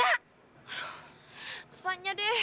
aduh tersesatnya deh